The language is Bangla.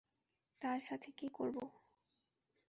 তার সাথে কী করবো?